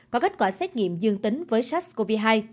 có kết quả xét nghiệm dương tính với sars cov hai